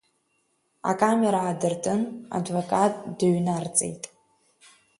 Акамера аадыртын, адвокат дыҩнарҵеит.